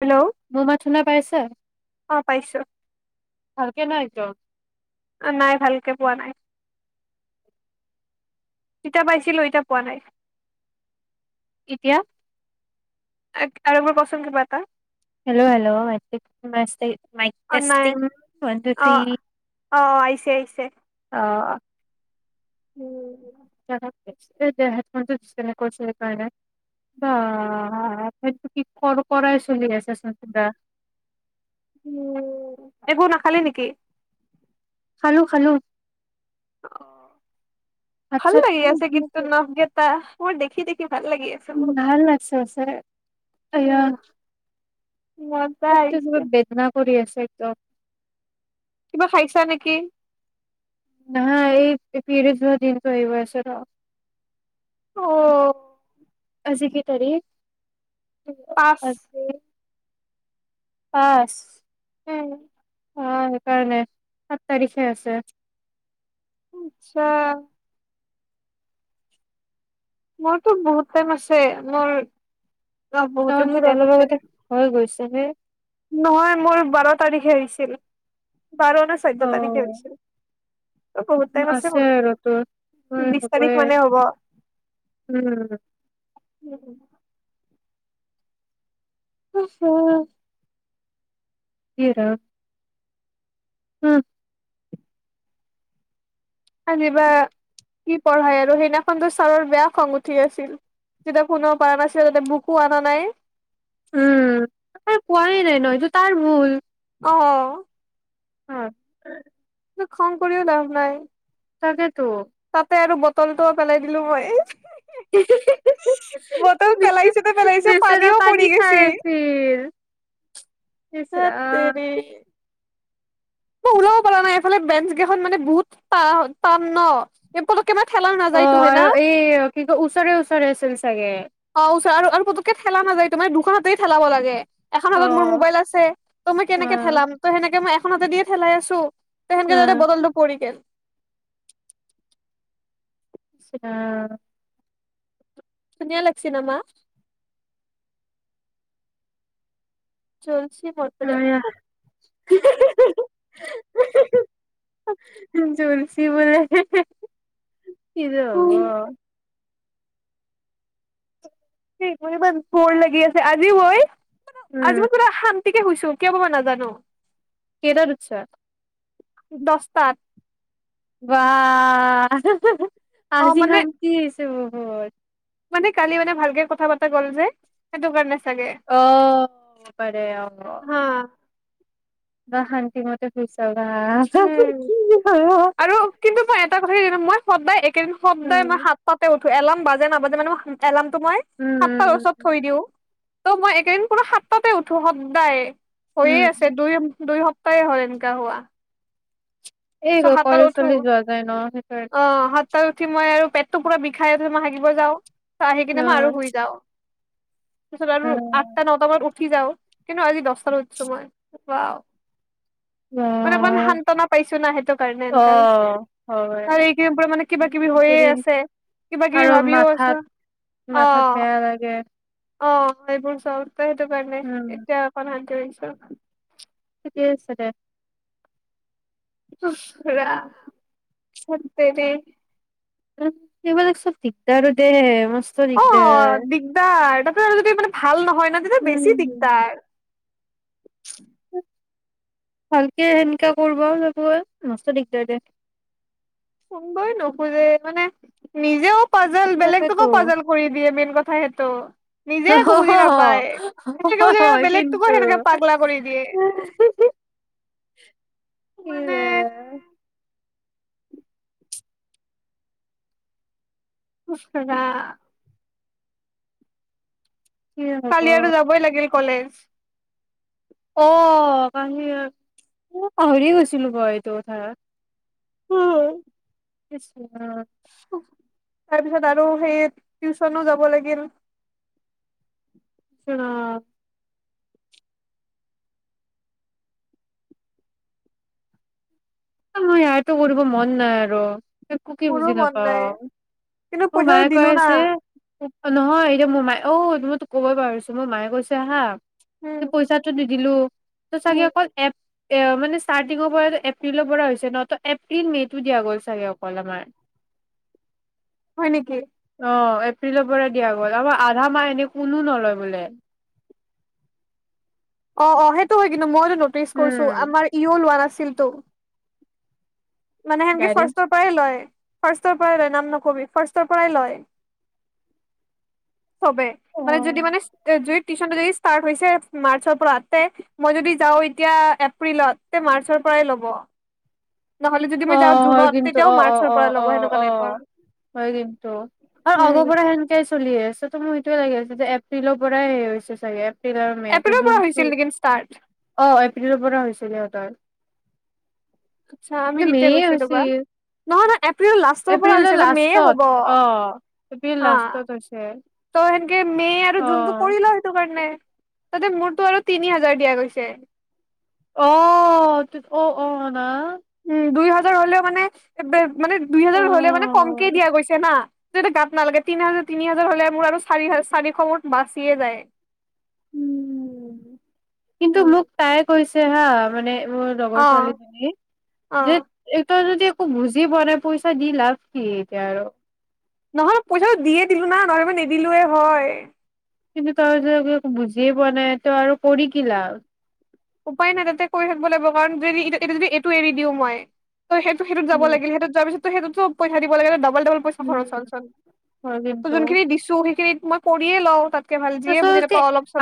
Hello মোৰ মাত শুনা পাইছা? অ পাইছো ভালকে নাইটো। নাই ভালকে পোৱা নাই। তিতা পাইছিলো ইতিয়া পোৱা নাই। এতিয়া। আৰু একবাৰ ক' চোন কিবা এটা। হেল্ল' হেল্ল' মাক মাইক টেষ্টিং, মাইক অ নাই টেষ্টিং, ওৱান টু থ্ৰি। অ', অ', আহিছে, আহিছে। অ'। উম। এই দে হাতখনতোনে কৰিছিল সেইকাৰণে বা সটো কি কৰ কৰাই চলি আছোচোন কিবা। উম, এইবোৰ নাখালে নেকি? খালোঁ খালোঁ। অ'। ভাল চাত লাগি খালো আছে কিন্তু উঠিছো। নাভকেটা। মোৰ দেখি, দেখি। ভাল লাগি আছে বহুত ভাল লাগছে আছে এয়া উম মজা আহিছে ম বেদনা কৰি আছ সেইটো। কিবা খাইছা নেকি? নাহ এই পিৰিয়ডচ হোৱা দিনটো আহি আছে। ৰ'। অ'। আজি কেই তাৰিখ? পাঁচ। আজি পাঁচ। উম। অ', সেইকাৰণে সাত তাৰিখে আছে। [unintelligible] মোৰতো বহুত টাইম আছে মোৰ বহুতে অ', বেছি তোৰ টাইম অলপ আছে আগতে হৈ গৈছ [unintelligible] নহয়, মোৰ বাৰ তাৰিখে আহিছিল। বাৰ নে অ চৈধ্য তাৰিখে আহিছে। আছে আৰু তোৰ [unintelligible] বিশ তাৰিখ হ'বই মানে হ'ব। উম। উম। উ হ হৰা উম আজিবা কি পঢ়াই আৰু সেইদিনাখনতো ছাৰৰ বেয়া খং উঠি আছিল যেতিয়া কোনেও পৰা নাছিল তা বুকো অনা নাই উম পোৱাই নাই নয়টো তাৰ ভুল অ অ খং কৰিও লাভ নাই তাকেতো তাতে আৰু বটলটো পেলাই দিলো মই মতৰ পেলাইছোতে পেলাইছো বেচেৰা পানীও পানী পৰি খাই গৈছে আছিল ইচ হ ৰাম তেনে ওলাব পৰা নাই এইফালে বেঞ্চ কেইখন মানে বহুত টান ন প অ আৰু এই কি ক ওচৰে ওচৰে আছিল চাগে অ ওচৰ আৰু পুকেঠেলা নাযায় তোমাৰ দুখনতেই ঠেলাব লাগে এখন অ হাতত মোৰ মোবাইল আছে ত মই অ কেনেকে ঠেলাম ত সেনেকে মই অ দিয় চেলাই আছো অ ততে বদলটো পৰী গ'ল নিচ পুন্যালক্ষীণমা চল অ জ চি বলে এ ব ফৰ লাগি আছে আজি বই উম আজি মই পুৰা শান্তি শুইছো কিয় বাব নাজানো কটা ৰুৎছা দছটাত ব অ আজি মানে খন্ত উ [unintelligible] মানে কালি মানে ভালকে কথা পতা গ'ল যে সেইটো কাৰণে চাগে আহ প হা বা শান্তি মতে খুছা উম আৰু কিন্তু মই এটা কথা মই সদাই শব্দ উম মই হাত পাতে এলাৰ্ম বাজে নাবাজে মানে [unintelligible] তো মই উম সাতটাৰ ওচৰত থৈ দিওঁ ত' মই একেইদিন পুৰা সাত তাতে উঠো সদায়। উম হৈয়ে উম আছে দুই, দুই সপ [unintelligible] হোৱা এ চ' সাতটাত কলেজ উঠো চলেজ যোৱা কাৰনে [unintelligible] অ', সাত তত উঠি মই আৰু পেটটো পুৰা বিষাই [unintelligible] যাওঁ। চ আহি কিনে মই আৰু অ শুই যাওঁ। তছ আৰু আঠটা, নটা মানত উঠ উঠি যাওঁ। কিন্তু আজি দচটাত উঠচো মই [unintelligible] মানে অকণমান সান্তনা পাইচো না সেইটো কাৰনে অ অ এনেকা হৈছে। হয় আৰু এইকেইদিন পৰা মানে কিবা, কিবি হৈয়ে এইকেইদিন আছে। কিবা, কিবি আৰু ভাবিও আছো মাথাত মাথাত অ'। বেয়া লাগে অ', এইবোৰ চব ত' সেইটো কাৰনে উম এতিয়া অকণ শান্তি পাই [unintelligible] ঠিকেই আছে দে। [unintelligible] তেনে। সেইবিলাক চব দিগদাৰো দে মচ অ', দিগদাৰ এটা যদি [unintelligible] ভাল ন [unintelligible] দিনত বেছি উম দিগদাৰ। ভালকে সেনেকা কৰিব মষ্ট দিগদাৰ দে। সোনবই নোখোজে মানে নিজেও পাজাল তাকেতো। বেলেগটোকো পাজাল কৰি দিয়ে মেইন কথ [unintelligible] অ', বুজি নাপাই হয়, বেলেগতোকো কিন্তু সেনেকে পাগলা কৰি দিয়ে মানে কিযে [unintelligible] কি হ'ব কালি আৰু যাবই লাগিল ক'লেজ অ', কালি মই পাহৰিয়ে‌ গৈছিলো হয়, এইটো কথা। উম। [unintelligible] [unintelligible] তাৰপিছত আৰু সেই টিউচনো যাব লাগিল। অ। মই আৰটো কৰিব মন নাই আৰু। একোকে মোৰো বুজি মন নাই। নাপাওঁ। কিন্তু ত পইচাটো মায়ে কৈ দিলো না আছে অ', নহয় এতিয়া মোৰ মাই অ', মই তোক ক'বই পাৰিছো মোৰ মায়ে কৈছে হা উম পইচাটো দি দিলো ত চাগে অকল এপ এ মানেষ্টাৰ্টিঙৰ পৰা একো হৈছে ন এপ্ৰিল মে' টো দিয়া গ'ল চাগে অকল আমাৰ হয় নেকি অ এপ্ৰিলৰ পৰা দিয়া গ'ল আ আধা মাহ এনে কোনো নলয় বোলে অ অ সেইটো হয় কিন্তু মই নটিচ কৰিছো উম আমাৰ ইও লোৱা নাছিল চছিলটো মানে সেনকে গাইডেন্স ফৰ্চ প লয় ফাৰ্ষ্টৰ পৰা লয় নাম নকবি ফাৰ্ষ্টৰ পৰাই লয় চবে অ মানে যদি মানে যদি টিউচন যদি ষ্টাৰ্ট হৈছে মাৰ্চৰ পৰা তে মই যদি যাওঁ এতিয়া এপ্ৰিলত তে মাৰ্চৰ পৰাই ল'ব নহ'লে যদি অ মই যাওঁ হয় জুনত কিন্তু তেতিয়াও অ অ মাৰ্চৰ অ পৰা অ ল'ব সেনেকুৱা অ টাইপৰ হয় কিন্তু আৰু উম আগৰ পৰা সেনকে চলি আছে পছতো মোৰ সেইটোয়ে লাগি আছে যে এপ্ৰিলৰ পৰাই সেই হৈছে চাগে এপ্ৰিল মে এপ্ৰিলৰ জু পৰা হৈছিল নেকি ষ্টাৰ্ট অ এপ্ৰিলৰ পৰা হৈছিল সিহঁতৰ আচ্ছা আমি কিন্তু কেতিয়া মে' গৈছিলো ৰবা হৈছিল নহয় নহয় এপ্ৰিল লাষ্টৰ পৰা এপ্ৰিলৰ হৈছে মেয় লাষ্টত হ'ব অ', এপ্ৰিল হা লাষ্টত হৈছে ত' সেনকে মে আৰু জুনতটো অ', কৰিল সেইটো কাৰণে তাতে মোৰতো আৰু তিনি হাজাৰ দিয়া গৈছে আহ অ অ না উম দুই হাজাৰ হ'লেও মানে মানে দুই হেজাৰ হলে মানে কমকে অ', দিয়া গৈছে না য়া গাত নালাগে তিনি হাজাৰ তিনি হাজাৰ হলে মোৰ আৰু চাৰি হ চাৰিশ মোৰ বাচিয়ে যায় উম কিন্তু মোক তাই কৈছে হা মানে লগৰ অ ছোৱালীজনী অ যে একটো যদি একো বুজি পোৱা নাই পইচা দি লাভ কি এতিয়া আৰু নহলে পইচাটো দিয়ে দিলো না নহলেব নিদিলোৱে হয় কিন্তু তই য ক বুজিয় পোৱা নাই তই আৰু কৰি কিিলা উপায় নাই তেন্তে কৰি থাকিব লাগিব কাৰণ যদি যদি এইটো এৰি দিওঁ মই ত সেইটো সেইত যাব উম, লাগিল সেইত যোৱাৰ পিত ত সেইটোতো পইচ দিব লাগে উম, ইা হয় কিন্তু যোনখিনি দিছো সেইখিন মই পৰিয়ে লওঁ তাত আচলতে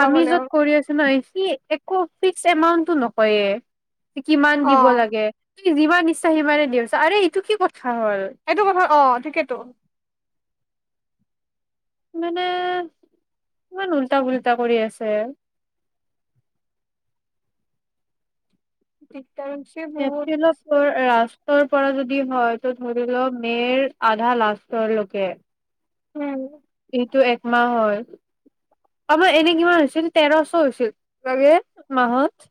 আমি য'ত কৰি আছো ন সি একো ফিক্স এমাউণ্টটো নকয়ে। কিমান অ দিব লাগে। যিমান ইচ্ছা সিমানে দি আৰে এইটো কি কথ সেইটো কথা অ', ঠিকেতো। মানে ইমান উল্টা, পুলল্টা কৰি আছে। [unintelligible] [unintelligible] বহুত বেছি পৰা যদি হয়, ত' ধৰি ল মেৰ আধা লাষ্টৰ লকে উম। এইটো একমাহ হয়, আমাৰ এনে কিমান হৈছিল তেৰচ হৈছিল লাগে মাহত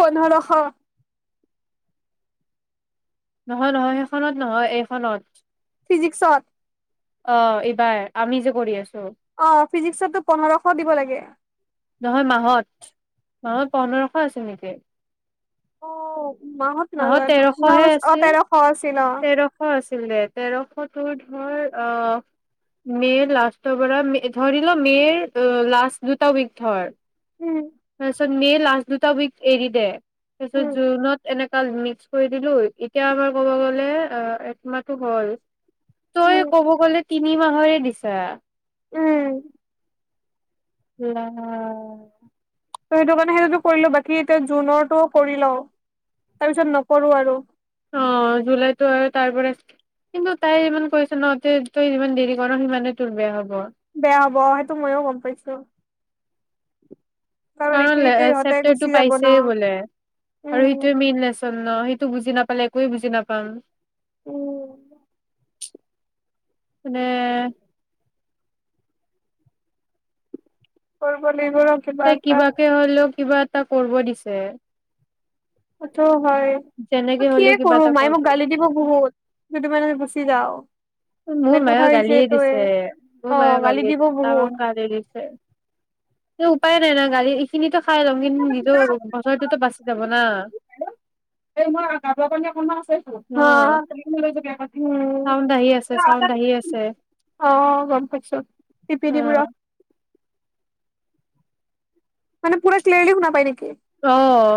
পোন্ধৰশ। নহয়, নহয় সেইখনত নহয় এইখনত ফিজিক্সত? অ', এইবাৰ আমি যে, কৰি আছ অ', ফিজিক্সতটো পোন্ধৰশ দিব লাগে। নহয় মাহত, মাহত পন্ধৰশ আছে নেকি? অ'। মাহত নাজানো ন তেৰশহে অ', আছিল তেৰশ আছিল অ তেৰশ আছি তেৰশ তোৰ ধৰ অ', মেৰ লাষ্টৰ পৰা মে ধৰি ল মেৰ অ', লাষ্ট দুটা উইক ধৰ উম [unintelligible] মে লাষ্ট দুটা উইক এৰি দে। তাৰ পিছত উম জুনত এনেক মিক্স কৰি দিলো এতিয়া আমাৰ ক'ব গ'লে অ', এক মাহটো হ'ল তই উম ক'ব গ'লে তিনি মাহৰে দিছা উম। [unintelligible] ত' সেইটো কাৰণে সেইটোতটো কৰিলো বাকী এতিয়া জুনৰটো কৰি লওঁ, তাৰপিছত নকৰো আৰু। অ', জুলাইতো আৰু তাৰ পৰা কিন্তু তাই ইমান কৈছে ন তই-তই যিমান দেৰি কৰ সিমানে তোৰ বেয়া হ'ব বেয়া হ'ব অ', সেইটো ময়ো গম পাইছো। কাৰণ এইখিনিতে ইহঁতে গুচি এ-চেপটাৰটো যাব ন পাইছেই বোলে, আৰু উম সেইটোৱে মেইন লেচ সেইটো বুজি নাপালে, একোৱে বুজি নাপাম। উম। [unintelligible] কৰিব লাগিব ৰ কিবা ত' এটা কিবাকে হ'লেও কিবা এটা কৰব দিছে। [unintelligible] হয়, যেনেকে কিয়ে হলেও কিবা কৰো এটা মায়ে কৰিব মোক গালি দিব দিছে বহুত যদি [unintelligible] [unintelligible] মোৰ মেইন মায়ো কথা হৈছে গালিয়ে এইটোয়ে দিছে, মোৰ অ মায়ো গালি গালিয়ে দিব দিছে বহুত তামাম গালি দিছে, কিবা উপায় [unintelligible] খিনিতো খাই লম কিন্তু নিজৰ বছৰটোতো বাচি যাব না, এই মই গাজৰ পানী অকনমান আছেচোন অহ। উম চাউণ্ড আহি আছে, চাউণ্ড আহি আছে, অ গম পাইছো টিপি দিম ৰ অহ। মানে পুৰা ক্লিয়াৰলি শুনা পায় নেকি? অহ।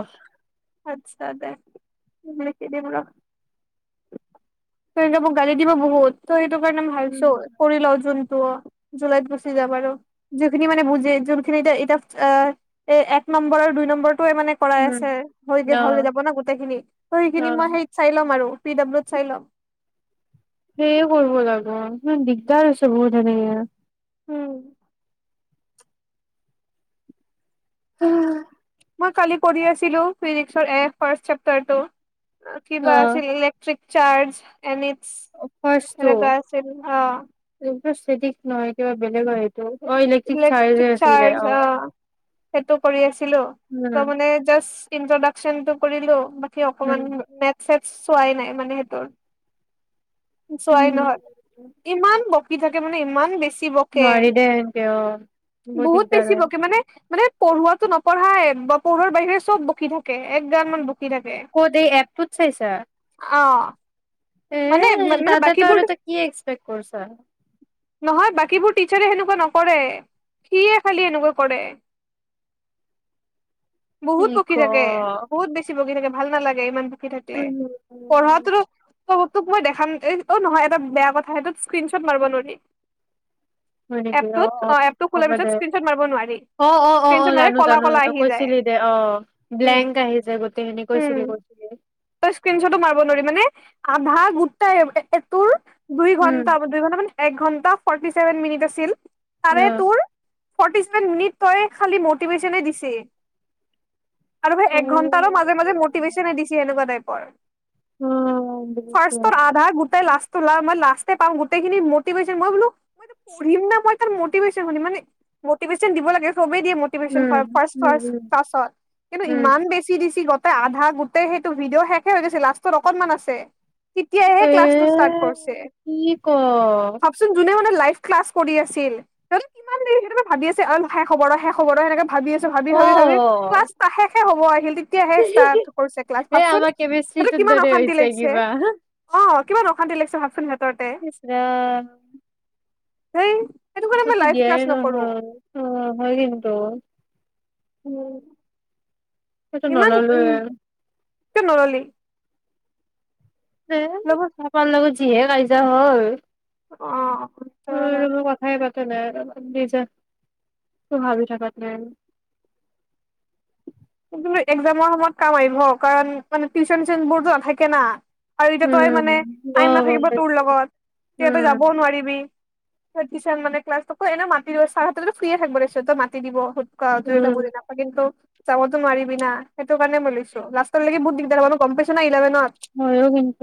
আচ্ছা দে এনেকে দিম ৰ'। [unintelligible] মোক গালি দিব বহুত। তই সেইটো কাৰণে ভালছো উম কৰি লোওচোন। জুলাইত গুচি যাব আৰু যিখিনি মানে বুজে যোনখিনি এত এতিয়া অহ, এ এক নম্বৰ আৰু দুই নম্বৰ টোৱে মানে কৰাই আছে হৈ উম অ হৈ যাব ন' গোটেই খিনি ত অ সেইখিনি মই হেৰিত চাই ল'ম আৰু। পি ডাব্লিউত চাই ল'ম। সেইয়ে কৰিব লাগিব ইমান দিগদাৰ হৈছে বহুত সেনেকে। উম। উম। মই কালি কৰি আছিলো ফিজিক্সৰ এ ৰ্ফাষ্ট চেপতাৰটো। আ কিবা অ আছিল ইলেক্ট্ৰিক চাৰ্জ। এম ইটছ সেনেকোৱা আছিল অ'। [unintelligible] দিশ নহয় কিবা বেলেগ হয় সেই ইলেক্ট্ৰিক চাৰ্জ অহ, সেইটো কৰি আছিলো ত' উম মানে জাস্ট স্কিন প্ৰডা চন টো কৰিলো। এই অকমান উম মেটচ চেট চোৱাই নাই মানে সিটোৰ। চোৱাই উম নহয়, ইমান ব কি থাকে মানে ইমান বেছি বকে নোৱাৰি দে। অ', বহুত দিগদাৰ বেছি হয়। বকে মানে মানে পঢ়োৱাতো নপঢ়াই বা পঢ়াৰ বাহিৰে চব বকি থাকে একগান মান বকি থাকে ক'ত এই এপটোত চাইছা? অ এ মানে মানে তাতেতো বাকীবোৰ, আৰু তই কি এক্সপেক্ট কৰিছা নহয় বাকীবোৰ টিচাৰে সেনেকুৱা ন কৰে সিয়ে খালি এনেকুৱা কৰে। কি বহুত ক বকি থাকে বহুত বেছি বকি থাকে। ভাল নালাগে ইমানটো বকি থাকিলে উম পঢ়াটো তোক মই দেখাম এই ত নহয় এটা বেয়া কথা সেইটো স্ক্ৰনশ্বট মাৰিব নোৱাৰি। হয় নেকি এপটোত অ', অ', এপটো খোলাৰ হ'ব পিছত দে স্ক্ৰীনশ্বট মাৰিব নোৱাৰি অ', অ', অ', স্ক্ৰীনশ্বট অ', মাৰিলে জানো কলা জানো কলা জানো আহি যায় কৈছিলি দে অ', উম ব্লেংক আহি যায় গোটেইখিনি উম কৈছিলি, কৈছিলি। তই স্ক্ৰীনশ্বটো মাৰিব নোৱাৰি মানে আধা গোটাটোৰে টোৰ দুই উম ঘণ্টা মানে দুই ঘণ্টা মানে এক ঘণ্টা ফৰ্টি চেভেন মিনিট আছিল। তাৰে তোৰ ফ'ৰ্টি চছেভেন মিনিট তই খালী মটিভেশ্যনে দিছে। আৰু ভাই অ এক ঘণ্টাৰ মাজে মাজে মটিভেশ্যনে দিছে সনেকুৱা টাইপ। হয়। উম। ফাৰ্ষ্টত আধা গোটে আৰু লাষ্ট মই লাষ্টে পাম গোটেইখিনি ম'টিভেশন মই বোলো ম পঢিম ন মই তাৰ ম'টিভেশন শুনিম মানে ম'টিভেশন দিব লাগে। বে দিয়ে মিভেশন উম, ফাৰ্ষ্ট উম, উম, ক্লাছত কিন্তু উম, ইমান বেছি দি আধা গোটেই সেইটো ভিডিঅ' শেষে হৈ গৈছে লাষ্টত অকণমান আছে। তেতিয়াহে এ ক্লাছটো ষ্টাৰ্ট কৰছে, কি ক ভাবচোন যোনে মানে লাইভ ক্লাছ কৰি আছিল কিমান দেৰি শেষ হ'ব ৰ', শেষ হ'ব ৰ' ভাবি আছো, ভাবি, ভাবি, ভাবি অ', ক্লাছ শেষে হ' অ', আহিল তেতিয়াহে ষ্টাৰ্ট কৰিছে ক্লাছ এ ভাবচোন আমাৰ সেটো কেমেষ্ট্ৰিটোৰ কিমান দৰে অশান্তি হৈছে লাগিছে। কিবা অ' কিমান অশান্তি লাগিছে ভাবচোন ভাব। ইচৰাম হেই। মই টো দিয়াই নহল [unintelligible] ্যায় অ হেটেই কিন্তু। উম। মইটো ইমান নললোৱে। কিয় নললি? এই ল'ব পাপাৰ লগত য যিহে কাইজা হল। অঁ [inaudible] তেনে আৰু যি যায় ভাবি থাকাত নাই আৰু। কিন্তু একজামৰ সময়ত কাম আহিব কাৰণ মানে টিউচন চচন বোৰটো নাথাকে না। আৰু এতিয়া তই উম, মানে টাইম অ', গম নাথাকিব তোৰ পাইছোঁ লগত তেয়া তই উম, যাবও নোৱাৰিবি। টিন ম ক্লাছ এনে মাতি দ চাহাতো ফ্ৰে থাকিব মাতি দিব ক এইটা উম, বজিল আ কিন্তু যাবতো মিবি সেই কাৰণে মই লৈ লাষ্টলৈকে বহু দিগদাৰ হলেভন মই ও